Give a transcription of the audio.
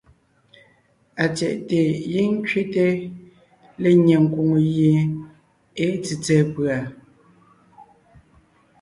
Atsyɛ̀ʼte giŋ kẅete lenyɛ nkwòŋo gie èe tsètsɛ̀ɛ pʉ̀a.